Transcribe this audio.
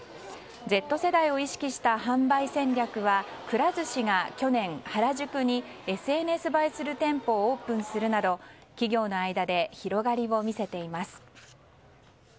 Ｚ世代を意識した販売戦略はくら寿司が去年、原宿にＳＮＳ映えする店舗をオープンするなど企業の間で広がりを見せています。